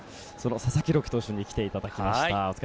佐々木朗希投手に来ていただきました。